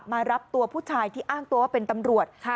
มารับตัวผู้ชายที่อ้างตัวว่าเป็นตำรวจ